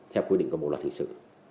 theo quy định của bộ luật hình sự